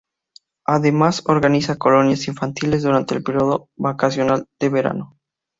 Además, organiza colonias infantiles durante el periodo vacacional de verano.